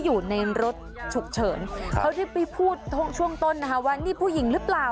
อยู่ในรถฉุกเฉินเขาได้ไปพูดช่วงต้นนะคะว่านี่ผู้หญิงหรือเปล่า